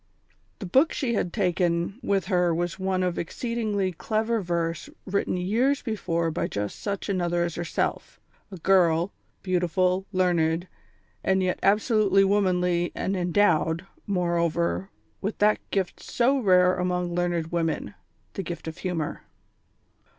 The book she had taken with her was one of exceedingly clever verse written years before by just such another as herself; a girl, beautiful, learned, and yet absolutely womanly, and endowed, moreover, with that gift so rare among learned women, the gift of humour.